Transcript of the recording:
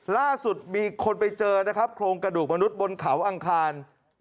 ล่าสุดมีคนไปเจอนะครับโครงกระดูกมนุษย์บนเขาอังคาร